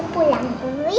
papa aku pulang dulu ya